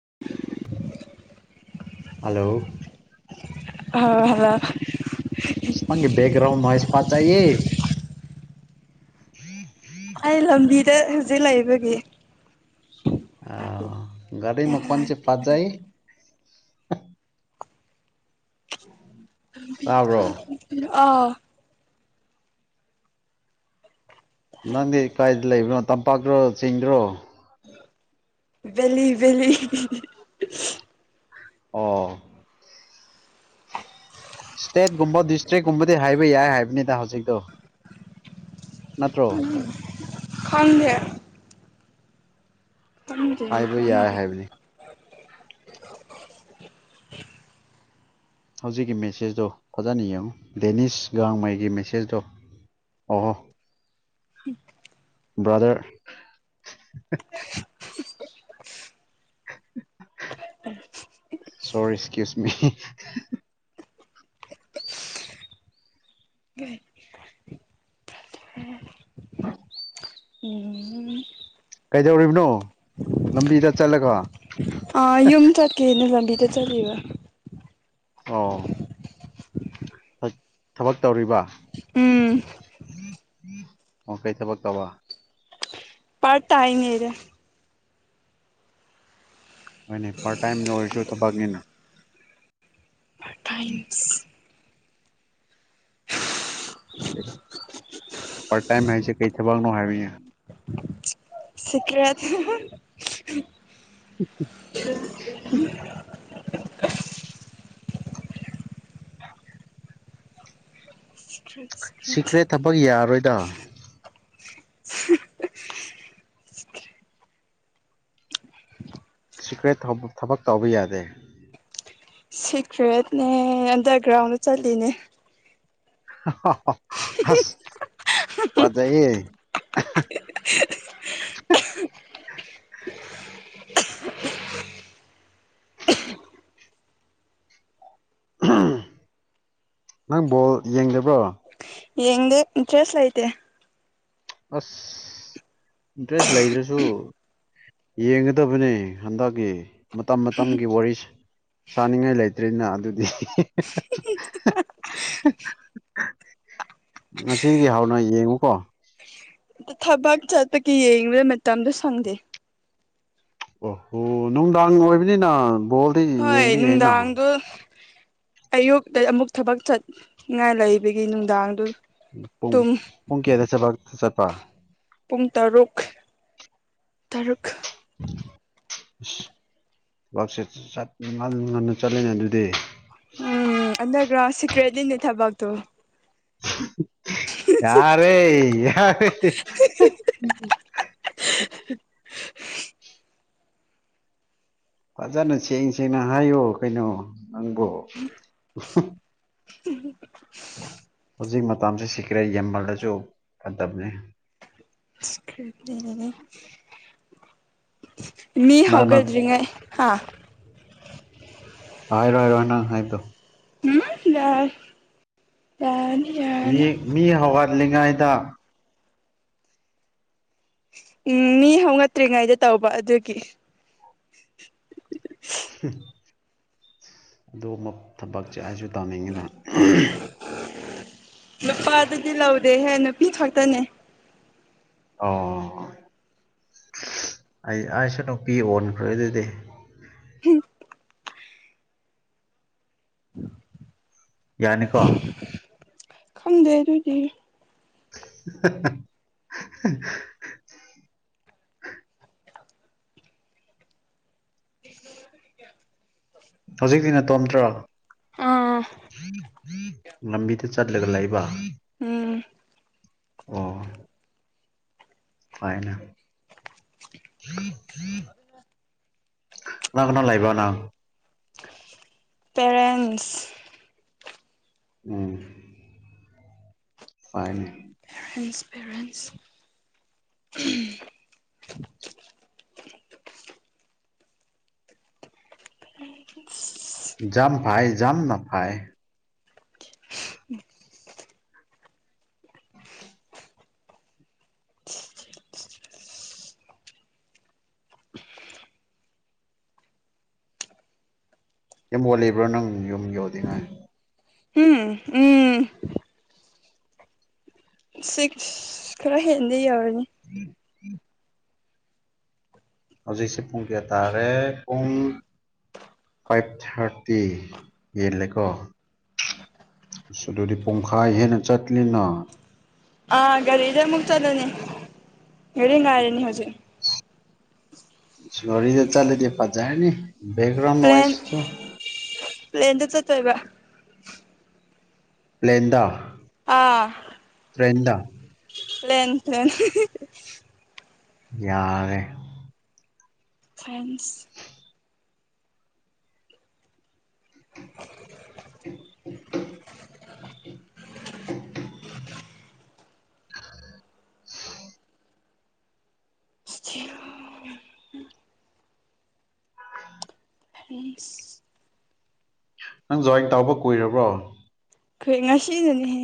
[inaudible] hello ꯍꯥꯎ ꯍꯂ ꯅꯪꯒꯤ ꯕꯦꯛꯒ꯭ꯔꯥꯎ ꯅꯣꯏꯁ ꯐꯖꯩꯌꯦ ꯑꯩ ꯂꯝꯕꯤꯗ ꯍꯧꯖꯤꯛ ꯂꯩꯕꯒꯤ ꯑ ꯒꯥꯔꯤ ꯃ ꯀꯣꯟ ꯆꯦ ꯐꯥꯖꯏ ꯑꯣ ꯑ ꯅꯪꯗꯤ ꯀꯥꯏꯗ ꯂꯩꯕꯅꯣ ꯇꯝꯄꯥꯛꯇ꯭ꯔꯣ ꯆꯤꯡꯗ꯭ꯔꯣ ꯕꯂꯤ ꯕꯦꯂꯤ ꯑꯣ ꯏꯁꯇꯦꯠꯀꯨꯝꯕ ꯗꯤꯁꯇ꯭ꯔꯤꯛꯀꯨꯝꯕꯗꯤ ꯍꯥꯏꯕ ꯌꯥꯏ ꯍꯥꯏꯕꯅꯤꯗ ꯍꯧꯖꯤꯛꯇꯣ ꯅꯠꯇ꯭ꯔꯣ ꯐꯟꯗꯦ ꯍꯥꯏꯕ ꯌꯥꯏꯦ ꯈꯪꯗꯦ ꯍꯥꯏꯕꯅꯤ ꯍꯧꯖꯤꯛꯀꯤ ꯃꯦꯁꯦꯖꯇꯣ ꯐꯖꯅ ꯌꯦꯡꯉꯨ ꯗꯦꯅꯤꯁ ꯒꯥꯡꯃꯩꯒꯤ ꯃꯦꯁꯦꯖꯇꯣ ꯑꯣ ꯍꯣ ꯎꯝ ꯕ꯭ꯔꯥꯗꯔ ꯎ ꯁꯣꯔꯤ ꯑꯦꯛꯁꯀ꯭ꯌꯨꯁ ꯃꯤ ꯂꯩ ꯑ ꯎꯝ ꯀꯩꯗꯧꯔꯤꯕꯅꯣ ꯂꯝꯕꯤꯗ ꯆꯠꯂꯒ ꯠꯇ ꯆꯂꯕ ꯑꯣ ꯊꯕꯛ ꯇꯧꯔꯤꯕ ꯎꯝ ꯑꯣ ꯀꯩ ꯊꯕꯛ ꯇꯧꯕ ꯄ ꯇꯥꯏ ꯉꯔꯦ ꯍꯣꯏ ꯅ ꯄꯔ ꯇꯥꯏꯝꯁꯨ ꯊꯅꯤ ꯇꯥꯏꯝ ꯄꯔ ꯇꯥꯏꯝ ꯍꯥꯏꯁ ꯀꯩ ꯊꯕ ꯅꯣ ꯍꯥꯏ ꯁꯤꯀꯔꯗ ꯁꯤꯀ꯭ꯔꯦꯠ ꯊꯕꯛ ꯌꯥꯔꯣꯏꯗ ꯁꯤꯀ꯭ꯔꯦꯠ ꯊꯕꯛ ꯇꯧꯕ ꯌꯥꯗꯦ ꯁꯤꯀ꯭ꯔꯦꯠꯅꯦ ꯑꯟꯗꯔꯒ꯭ꯔꯥꯎꯟꯗ ꯆꯠꯂꯤꯅꯦ ꯑꯁ ꯄꯏꯦ ꯅꯪ ꯕꯣꯜ ꯌꯦꯡꯕ꯭ꯔꯣ ꯌꯦꯡꯦ ꯆꯁꯂꯥꯏꯇ ꯑꯁ ꯏꯟꯇꯔꯦꯁ ꯂꯩꯗ꯭ꯔꯁꯨ ꯌꯦꯡꯒꯗꯕꯅꯤ ꯍꯟꯗꯛꯀꯤ ꯃꯇꯝ ꯃꯇꯝꯒꯤ ꯋꯥꯔꯤ ꯁꯥꯅꯤꯡꯉꯥꯏ ꯂꯩꯇ꯭ꯔꯦꯅ ꯑꯗꯨꯗꯤ ꯉꯁꯤꯗꯒꯤ ꯍꯥꯎꯅ ꯌꯦꯡꯉꯨꯀꯣ ꯊꯕꯛ ꯆꯠꯄꯒꯤ ꯌꯦꯡꯕꯗ ꯃꯇꯝꯗꯣ ꯁꯪꯗꯦ ꯑꯣꯍꯣ ꯅꯨꯡꯗꯥꯡ ꯑꯣꯏꯕꯅꯤꯅ ꯕꯣꯜꯗꯤ ꯍꯣꯏ ꯌꯦꯡꯕ ꯅꯨꯡꯗ ꯌꯥꯏꯅ ꯍꯪꯗ ꯑꯌꯨꯛꯇ ꯑꯃꯨꯛ ꯊꯕꯛ ꯆꯠꯉꯥꯏ ꯂꯩꯕꯒꯤ ꯅꯨꯡꯗꯥꯡꯗꯨ ꯎ ꯄꯨꯡ ꯇꯨꯝ ꯄꯨꯡ ꯀꯌꯥꯗ ꯆꯠꯄ ꯆꯠꯄ ꯄꯨꯡ ꯇꯔꯨꯛ ꯇꯔꯨꯛ ꯑ ꯋꯥꯛꯁ ꯉ ꯉꯟꯅ ꯆꯠꯂꯅꯦ ꯑꯗꯨꯗꯤ ꯎꯝ ꯑꯗꯔꯒ꯭ꯔꯥꯎ ꯁꯤꯀ꯭ꯔꯦꯠꯗꯤꯤꯟ ꯏ ꯊꯕꯥꯛꯇꯨ [unintelligible] [inaudible] ꯌꯥꯔꯦ ꯌꯥꯔꯦ [unintelligible] [inaudible] ꯐꯖꯅ ꯁꯦꯡ ꯁꯦꯡꯅ ꯍꯥꯏꯌꯣ ꯀꯩꯅꯣ ꯅꯪꯕꯨ ꯍꯧꯖꯤꯛ ꯃꯇꯝꯁꯤ ꯁꯤꯈ꯭ꯔꯦ ꯌꯦꯃꯜꯗꯁꯨ ꯐꯗꯕꯅꯤ [unintelligible] ꯑꯩꯅꯅꯦ ꯃꯤ ꯀꯅꯥꯅ ꯍꯧꯒꯗ꯭ꯔꯤꯉꯩ ꯍꯥ ꯍꯥꯏꯔꯣ ꯍꯥꯏꯔꯣ ꯅꯪ ꯍꯥꯏꯗꯣ ꯎꯝ ꯌꯥꯏ ꯌꯥꯔꯅꯤ ꯌꯥꯔꯅꯤ ꯃꯤ ꯍꯧꯒꯠꯂꯤꯉꯩꯗ ꯎꯝ ꯃꯤ ꯍꯧꯒꯠꯇ꯭ꯔꯤꯉꯩꯗ ꯇꯧꯕ ꯑꯗꯨꯒꯤ [unintelligible] ꯑꯗꯨꯒꯨꯝꯕ ꯊꯕꯛꯁꯦ ꯑꯩꯁꯨ ꯇꯥꯅꯤꯡꯉꯤꯗ ꯅꯨꯄꯥꯗꯨꯗꯤ ꯂꯧꯗꯦꯍꯦ ꯅꯨꯄꯤ ꯈꯛꯇꯅꯦ ꯑꯣ ꯑꯩ ꯑꯩꯁꯨ ꯅꯨꯄꯤ ꯑꯣꯟꯈ꯭ꯔꯦ ꯑꯗꯨꯗꯤ [unintelligible] ꯌꯥꯅꯤꯀꯣ ꯈꯪꯗꯦ ꯑꯗꯨꯨꯗꯤ [unintelligible] ꯍꯧꯖꯤꯛꯇꯤ ꯅꯇꯣꯝꯇ꯭ꯔꯣ ꯑꯥ ꯂꯝꯕꯤꯗ ꯆꯠꯂꯒ ꯂꯩꯕ ꯎꯝ ꯑꯣ ꯐꯩꯅꯦ ꯀꯅꯥ ꯀꯅꯥ ꯂꯩꯕꯅꯣ ꯄꯦꯔꯪ ꯎꯝ ꯐꯥꯏꯅꯤ ꯄꯦꯔꯦꯟꯁ ꯄꯦꯔꯦꯟꯁ ꯖꯥꯝ ꯐꯥꯏ ꯖꯥꯝꯅ ꯐꯥꯏ ꯌꯨꯝ ꯑꯣꯜꯂꯤꯕ꯭ꯔꯣ ꯅꯪ ꯌꯨꯝ ꯌꯧꯗꯤꯉꯥꯏ ꯎꯝ ꯎꯝ ꯁꯤꯛꯁ ꯈꯔ ꯍꯦꯟꯗꯤ ꯌꯧ [unintelligible] ꯍꯧꯖꯤꯛꯁꯤ ꯄꯨꯡ ꯀꯌꯥ ꯇꯥꯔꯦ ꯄꯨꯡ ꯐꯥꯏꯚ ꯊꯥꯔꯇꯤ ꯍꯦꯜꯂꯦꯀꯣ ꯑꯁ ꯑꯗꯨꯗꯤ ꯄꯨꯡꯈꯥꯏ ꯍꯦꯟꯅ ꯆꯠꯂꯤꯅ ꯑꯥ ꯒꯥꯔꯤꯗ ꯑꯃꯨꯛ ꯆꯠꯂꯅꯤ ꯒꯔꯤ ꯉꯥꯏꯔꯤꯅꯤ ꯍꯧꯖꯤꯛ ꯒꯔꯤꯗ ꯆꯠꯂꯗꯤ ꯐꯖꯔꯅꯤ ꯕꯦꯛꯒ꯭ꯔꯥꯎꯟ ꯅꯣꯏꯁ ꯇꯣ ꯄꯂꯦꯟꯗ ꯆꯠꯇꯣꯏꯕ ꯄꯂꯦꯟꯗꯥ ꯑꯥ ꯄ꯭ꯔꯦꯟꯗ ꯄ꯭ꯂꯦꯟ ꯄ꯭ꯂꯦꯟ ꯌꯥꯔꯦ ꯐ꯭ꯔꯦꯟꯁ [unintelligible] [unintelligible] [unintelligible] ꯑꯩꯈꯣꯏ ꯅꯪ ꯖꯣꯏꯟ ꯇꯧꯕ ꯀꯨꯏꯔꯕ꯭ꯔꯣ ꯈꯣꯏ ꯉꯁꯤꯗꯅꯤꯍꯦ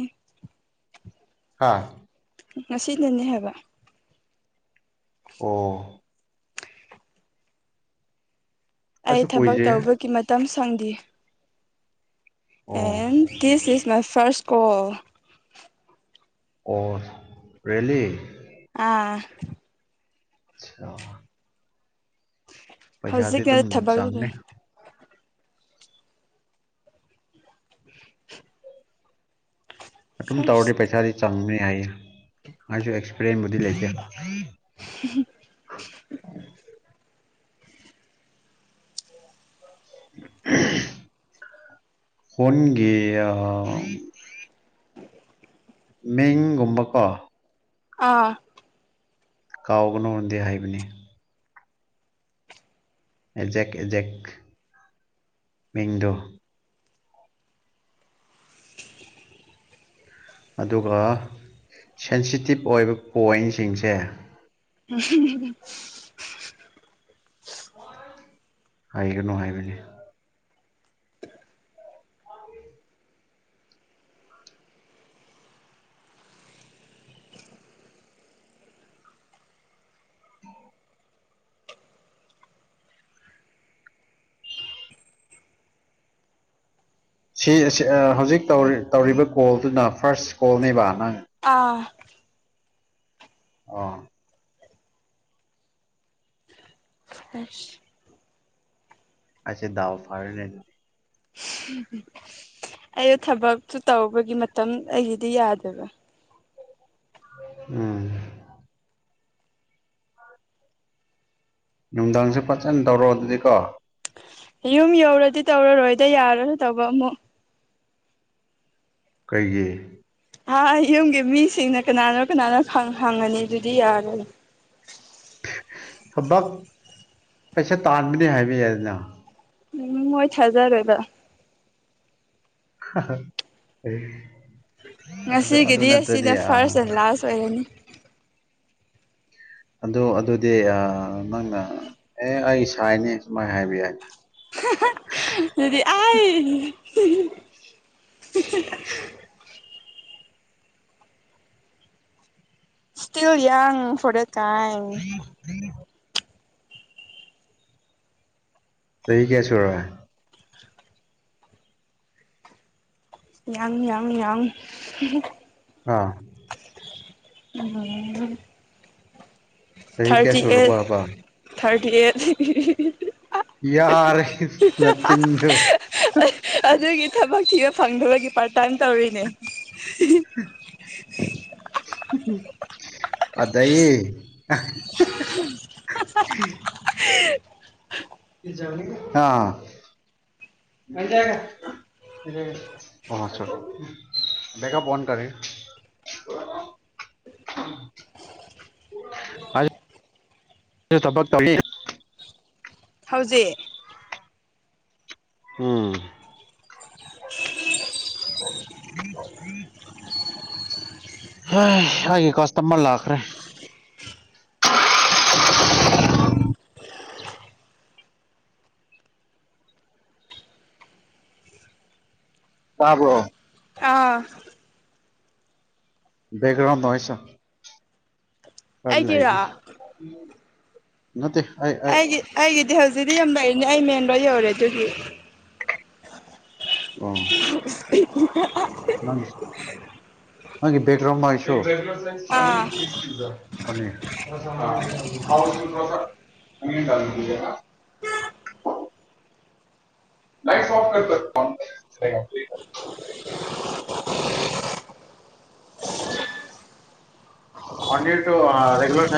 ꯍꯥꯥ ꯉꯁꯤꯅꯅꯦ ꯍꯥꯏꯕ ꯑꯣ ꯑꯩ ꯑꯩꯁꯨ ꯊꯕꯛ ꯀꯨꯏꯗ꯭ꯔꯤꯍꯦ ꯇꯧꯕꯒꯤ ꯃꯇꯝ ꯁꯪꯗꯤ ꯑꯣ and this is my first call ꯑꯣ ꯔꯦꯜꯂꯤ ꯑꯥ ꯑ ꯍꯧꯖꯤꯛ ꯌꯥꯔ ꯊꯕꯗꯗ ꯆꯪꯅꯤ ꯑꯗꯨꯝ ꯐꯥꯔꯁ ꯇꯧꯔꯗꯤ ꯄꯩꯁꯥꯗꯤ ꯆꯪꯒꯅꯤ ꯍꯥꯏꯌꯦ ꯑꯩꯁꯨ ꯄ꯭ꯔꯦꯝꯕꯨꯗꯤ ꯂꯩꯒ [unintelligible] ꯍꯟꯒꯦ ꯑ ꯃꯤꯡꯒꯨꯝꯕꯀꯣ ꯑꯥ ꯀꯥꯎꯒꯅꯣꯟꯗꯦ ꯍꯥꯏꯕꯅꯤ ꯑꯦꯖꯦꯛ ꯑꯦꯖꯦꯛꯦꯛ ꯃꯤꯟꯗꯣ ꯑꯗꯨꯒ ꯁꯦꯟꯁꯤꯇꯤꯞ ꯑꯣꯏꯕ ꯄꯣꯏꯟꯁꯤꯡꯁꯦ ꯎ ꯍꯥꯏꯒꯅꯨ ꯍꯥꯏꯕꯅꯦ ꯎ ꯍꯧꯖꯤꯛ ꯇꯧꯔꯤꯕ ꯀꯣꯜꯗꯨꯅ ꯐꯥꯔꯁ ꯀꯣꯜꯅꯦꯕ ꯅꯪ ꯑꯥ ꯑꯥ ꯑꯁ ꯑꯁꯦ ꯗꯋꯥ ꯐꯥꯔ ꯅ ꯎꯝꯝ ꯑꯩ ꯊꯕꯛꯇꯨ ꯇꯧꯕꯒꯤ ꯃꯇꯝ ꯑꯩꯒꯤꯗꯤ ꯌꯥꯗꯕ ꯎꯝ ꯅꯨꯡꯗꯥꯡꯁꯨ ꯐꯖꯅ ꯇꯧꯔꯣꯑꯣ ꯑꯗꯨꯗꯤꯀꯣ ꯌꯨꯝ ꯌꯧꯔꯗꯤ ꯇꯧꯔꯔꯣꯏꯗ ꯌꯥꯔꯁꯨꯣꯏ ꯇꯧꯕ ꯑꯃꯨꯛ ꯀꯩꯦ ꯑ ꯌꯨꯝꯒꯤ ꯃꯤꯁꯤꯡꯅ ꯀꯅꯥꯅꯣ ꯀꯅꯥꯅꯣ ꯍꯪꯉꯅꯤ ꯑꯗꯨꯗꯤ ꯌꯥꯔꯅꯤ ꯊꯕꯛ ꯄꯩꯁꯥ ꯇꯥꯟꯕꯅꯦ ꯍꯥꯏꯕ ꯌꯥꯏ ꯑꯗꯨꯅ ꯎꯝ ꯍꯣꯏꯠ ꯍꯖꯔꯗ [unintelligible] ꯑ ꯑꯗꯨ ꯉꯁꯤꯒꯤꯗꯤ ꯅꯠꯇ꯭ꯔꯗꯤ ꯑꯁꯤꯅ ꯑ ꯐꯥꯔꯁ ꯑꯦꯟ ꯂꯥꯁ ꯑꯣꯏꯔꯅꯤ ꯑꯗꯨ ꯑꯗꯨꯗꯤ ꯅꯪꯅ ꯑꯦ ꯑꯩ ꯏꯁꯅꯤ ꯁꯨꯃꯥꯏꯅ ꯍꯥꯏꯕ ꯌꯥꯏ ꯑꯗꯨꯗꯤ ꯑ [unintelligible] ꯁꯇꯤꯜ ꯌꯥꯡ ꯐ ꯎꯝ ꯎꯝ ꯁ ꯆꯍꯤ ꯀꯌꯥꯁꯨꯔ ꯌꯥꯪ ꯌꯥꯪ ꯌꯥꯪ ꯑꯥ ꯑ ꯆꯍꯤ ꯀꯌꯥ ꯊꯥꯔꯇꯤ ꯑꯩꯠ ꯁꯨꯔꯕꯕ ꯊꯥꯔꯇꯤ ꯑꯩꯠ ꯌꯥꯔꯦ ꯅꯠꯇꯤꯟꯖꯣ ꯑꯗꯨꯒꯤ ꯊꯕꯛ ꯊꯤꯕ ꯐꯪꯗꯕꯒꯤ ꯄꯥꯔꯇꯥꯅ ꯇꯧꯔꯤꯅꯦ ꯑꯖꯏꯌꯦ [unintelligible] [unintelligible] ꯦ ꯑꯣꯁ ꯀꯞ ꯑꯣꯟꯇꯥꯔꯦ [unintelligible] ꯊꯕꯛ ꯇꯧ ꯍꯧꯖꯤꯛ ꯎꯝ [inaudible] ꯎꯝ ꯎꯝ ꯍꯥꯏꯒꯤ ꯀꯥꯁꯇꯃꯔ ꯂꯥꯛꯈ꯭ꯔꯦ ꯇꯥꯕ꯭ꯔꯣ ꯑꯥ ꯕꯦꯛꯒ꯭ꯔꯥꯎꯟꯗ ꯅꯣꯏꯁ ꯈꯔ ꯑꯩꯒꯤꯔꯣ ꯂꯏꯕꯤ ꯅꯠꯇꯦ ꯑꯩ ꯑꯗꯨ ꯍꯧꯖꯤꯛꯇꯗꯤ ꯌꯥꯝ ꯂꯥꯛꯏꯅꯦ ꯑꯩ ꯃꯦꯟ ꯔꯣ ꯌꯧꯔꯦ ꯑꯗꯨꯒꯤ ꯑ ꯅꯪ ꯅꯪꯒꯤ ꯕꯦꯛꯒ꯭ꯔꯥꯎꯝ ꯅꯣꯏꯁꯇꯨ ꯑꯥ ꯄ ꯆ ꯄꯤꯖ [unintelligible] [unintelligible] one year two regular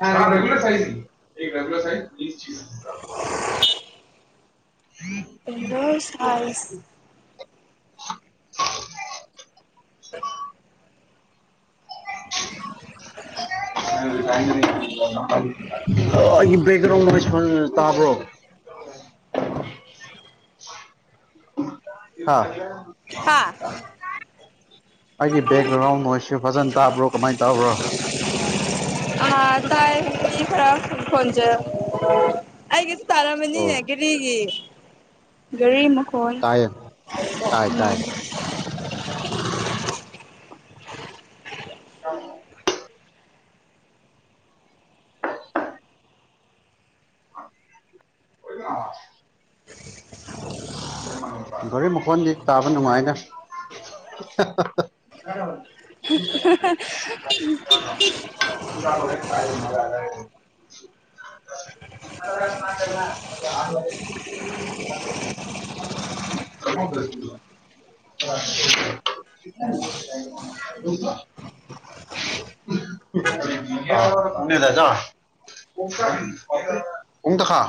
size [unintelligible] ꯏꯗꯣꯁ [inaudible] ꯑꯩꯒꯤ ꯕꯦꯛꯒ꯭ꯔꯥꯎꯟ ꯇꯥꯕ꯭ꯔꯣ ꯍꯥ ꯍꯥꯥ ꯑꯩꯒꯤ ꯕꯦꯛꯒ꯭ꯔꯥꯎꯟꯣꯏꯁꯨ ꯐꯖꯅ ꯇꯥꯕ꯭ꯔꯣ ꯀꯃꯥꯏꯅ ꯇꯥꯕ꯭ꯔꯣ ꯑꯥ ꯇꯥꯏ ꯃꯤ ꯈꯔ ꯈꯣꯟꯖꯔ ꯑꯩꯒꯤꯁꯨ ꯇꯥꯔꯃꯅꯤꯅꯦ ꯒꯔꯤꯒꯤ ꯔꯤꯃ ꯍꯣꯏ ꯎꯝ [unintelligible] ꯑꯣꯏ ꯔꯤ ꯃꯈꯣꯟꯗꯤ ꯇꯥꯕ ꯅꯨꯡꯉꯥꯏꯅ [inaudible] ꯇꯥꯔ ꯃ [inaudible] [inaudible] [inaudible] ꯗꯖꯥ ꯎꯝꯗ ꯈꯥ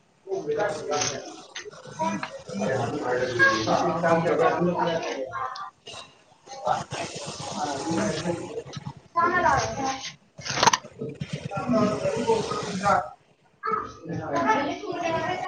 [inaudible] [inaudible] ꯑ [inaudible] [inaudible]